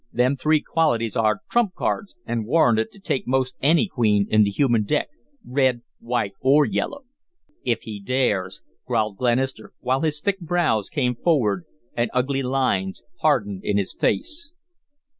Them three qualities are trump cards and warranted to take most any queen in the human deck red, white, or yellow." "If he dares," growled Glenister, while his thick brows came forward and ugly lines hardened in his face.